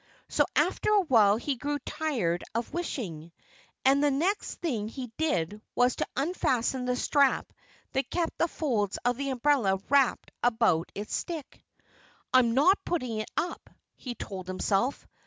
So after a while he grew tired of wishing. And the next thing he did was to unfasten the strap that kept the folds of the umbrella wrapped about its stick. "I'm not putting it up," he told himself.